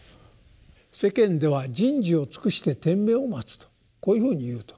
世間では「人事を尽くして天命を待つ」とこういうふうに言うと。